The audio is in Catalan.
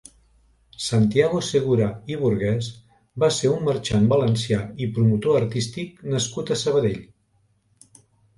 Santiago Segura i Burguès va ser un marxant valencià i promotor artístic nascut a Sabadell.